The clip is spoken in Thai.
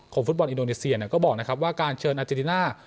ฟุตบอลอินโดนีเซียก็บอกนะครับว่าการเชิญอาเจริน่า